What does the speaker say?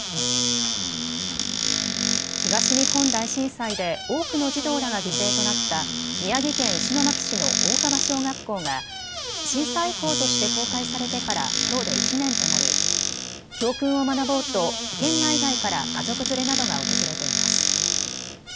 東日本大震災で多くの児童らが犠牲となった宮城県石巻市の大川小学校が震災遺構として公開されてからきょうで１年となり、教訓を学ぼうと県内外から家族連れなどが訪れています。